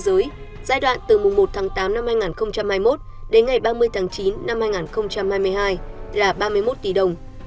giai đoạn từ mùng một tháng tám năm hai nghìn hai mươi một đến ngày ba mươi tháng chín năm hai nghìn hai mươi hai là ba mươi một tỷ đồng